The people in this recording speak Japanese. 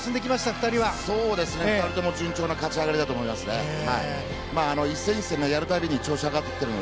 ２人とも順調な勝ち上がりだと思います。